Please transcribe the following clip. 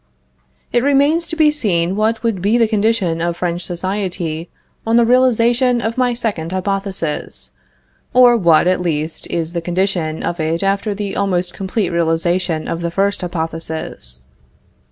It remains to be seen what would be the condition of French society on the realization of my second hypothesis, or what, at least, is the condition of it after the almost complete realization of the first hypothesis.